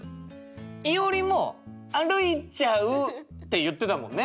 いおりも歩いちゃうって言ってたもんね。